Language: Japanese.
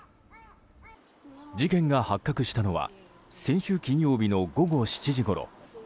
事件が発覚したのは先週金曜日の午後７時ごろ。